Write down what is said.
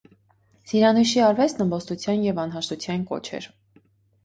Սիրանույշի արվեստն ըմբոստության և անհաշտության կոչ էր։